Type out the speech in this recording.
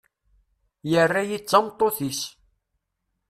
Yerra-iyi d tameṭṭut-is.